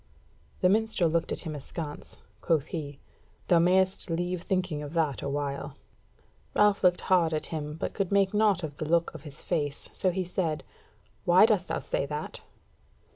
The minstrel looked at him askance; quoth he: "Thou mayst leave thinking of that awhile." Ralph looked hard at him, but could make naught of the look of his face; so he said: "Why dost thou say that?"